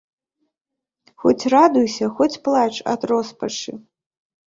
Хоць радуйся, хоць плач ад роспачы.